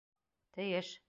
Тейеш!